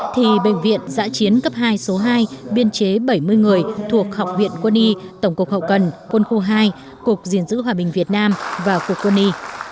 thì bệnh viện giã chiến cấp hai số hai biên chế bảy mươi người thuộc học viện quân y tổng cục hậu cần quân khu hai cục diện giữ hòa bình việt nam và cục quân y